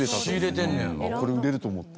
これ売れると思って。